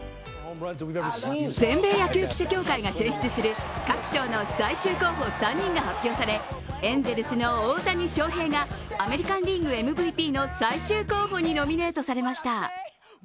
全米野球記者協会が選出する各賞の最終候補３人が発表され、エンゼルスの大谷翔平がアメリカンリーグＭＶＰの最終候補にノミネートされました。